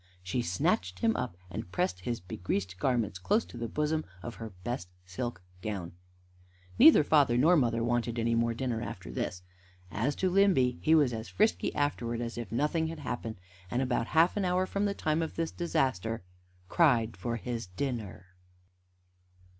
She snatched him up, and pressed his begreased garments close to the bosom of her best silk gown. Neither father nor mother wanted any more dinner after this. As to Limby, he was as frisky afterwards as if nothing had happened, and about half an hour from the time of this disaster _cried for his dinner.